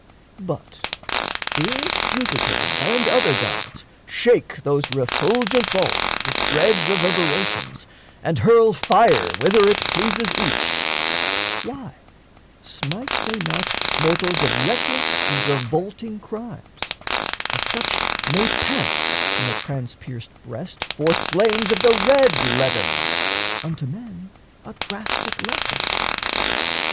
But if Jupiter And other gods shake those refulgent vaults With dread reverberations and hurl fire Whither it pleases each, why smite they not Mortals of reckless and revolting crimes, That such may pant from a transpierced breast Forth flames of the red levin unto men A drastic lesson?